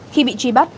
khi bị truy bắt